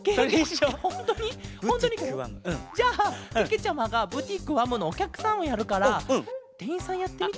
じゃあけけちゃまがブティックわむのおきゃくさんをやるからてんいんさんやってみて。